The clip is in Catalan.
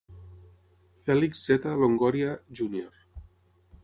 Felix Z. Longoria, Júnior.